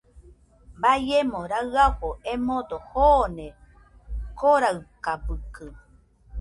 Baiemo raɨafo emodo joone Koraɨkabɨkɨ